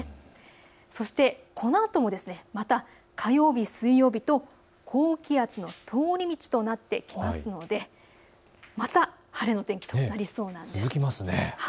そして、このあともまた火曜日、水曜日と高気圧の通り道となってきますのでまた晴れの天気となりそうです。